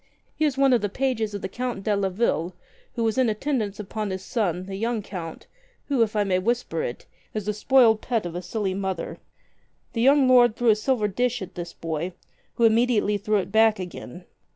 He is one of the pages of the Count de Leville, and was in attendance upon his son, the young Count, who, if I may whisper it, is the spoiled pet of a silly mother. The young lord threw a silver dish at this boy — who immediately threw it back again.